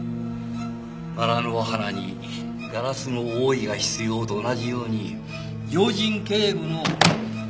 バラの花にガラスの覆いが必要なのと同じように要人警護の。